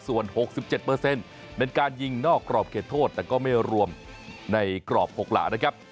ส่วน๖๗เป็นการยิงนอกกรอบเขตโทษแต่ก็ไม่รวมในกรอบ๖หลานะครับ